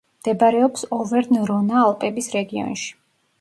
მდებარეობს ოვერნ-რონა-ალპების რეგიონში.